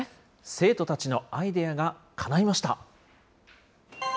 生徒たちのアイデアがかないました。